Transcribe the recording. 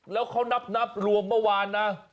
แล้วเขานับรวมเมื่อวานนะ